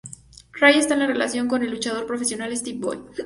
Ray está en una relación con el luchador profesional Stevie Boy.